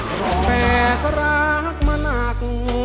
กาแฟก็รักมาหนัก